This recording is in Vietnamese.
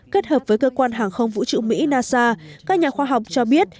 kết hợp với cơ quan hàng không vũ trụ mỹ nasa các nhà khoa học cho biết